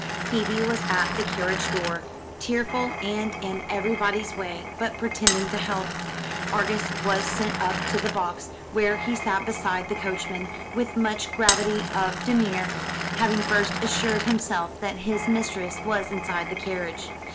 Phoebe was at the carriage door, tearful, and in everybody's way, but pretending to help. Argus was sent up to the box, where he sat beside the coachman with much gravity of demeanour, having first assured himself that his mistress was inside the carriage.